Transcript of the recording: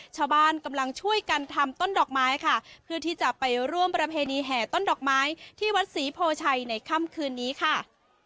ชาวบ้านกำลังช่วยกันทำต้นดอกไม้ค่ะเพื่อที่จะไปร่วมประเพณีแห่ต้นดอกไม้ที่วัดศรีโพชัยในค่ำคืนนี้ค่ะ